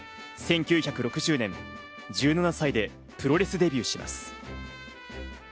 １９６０年、１７歳でプロレスデビューします。